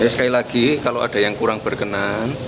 sekali lagi kalau ada yang kurang berkenan